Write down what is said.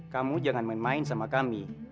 kamu jangan main main sama kami